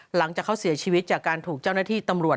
หลังจากเขาเสียชีวิตจากการถูกเจ้าหน้าที่ตำรวจ